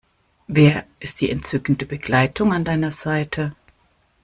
Wer ist die entzückende Begleitung an deiner Seite?